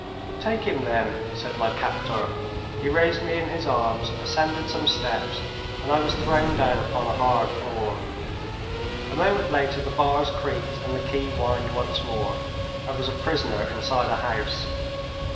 "Take him, then," said my captor. He raised me in his arms, ascended some steps, and I was thrown down upon a hard floor. A moment later the bars creaked and the key whined once more. I was a prisoner inside a house.